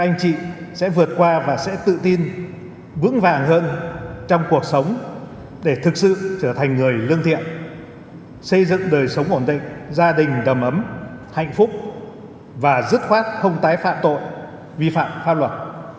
anh chị sẽ vượt qua và sẽ tự tin vững vàng hơn trong cuộc sống để thực sự trở thành người lương thiện xây dựng đời sống ổn định gia đình đầm ấm hạnh phúc và dứt khoát không tái phạm tội vi phạm pháp luật